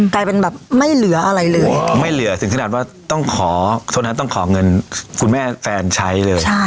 กลายเป็นแบบไม่เหลืออะไรเลยไม่เหลือถึงขนาดว่าต้องขอโทษนะต้องขอเงินคุณแม่แฟนใช้เลย